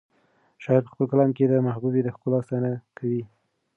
شاعر په خپل کلام کې د محبوبې د ښکلا ستاینه کوي.